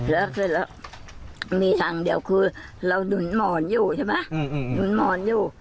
แล้วคือเรามีทางเดียวคือเราหนุนหมอนอยู่ใช่ไหมหนุนหมอนอยู่